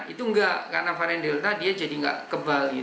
itu enggak karena varian delta jadi enggak kebal